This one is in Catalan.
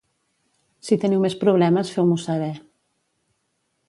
Si teniu més problemes, feu-m'ho saber.